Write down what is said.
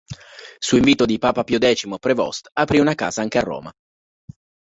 Su invito di papa Pio X Prévost aprì una casa anche a Roma.